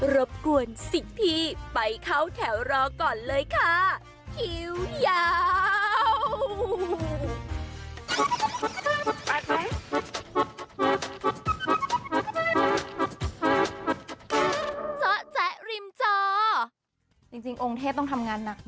รบกวนสิทธิไปเข้าแถวรอก่อนเลยค่ะ